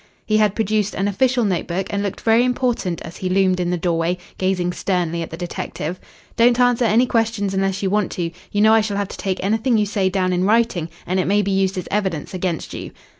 He had produced an official notebook and looked very important as he loomed in the doorway, gazing sternly at the detective. "Don't answer any questions unless you want to. You know I shall have to take anything you say down in writing, and it may be used as evidence against you."